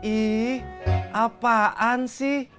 ih apaan sih